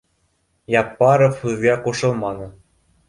Яппаров һүҙгә ҡушылманы